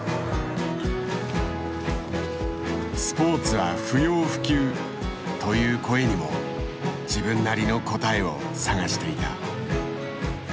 「スポーツは不要不急」という声にも自分なりの答えを探していた。